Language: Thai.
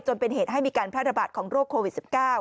จนเป็นเหตุให้มีการแพร่ระบาดของโรคโควิด๑๙